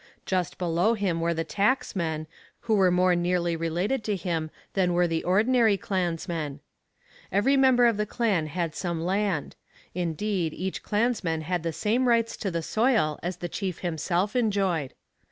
Just below him were the tacksmen, who were more nearly related to him than were the ordinary clansmen. Every member of the clan had some land; indeed, each clansman had the same rights to the soil as the chief himself enjoyed.